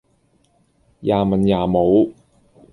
也文也武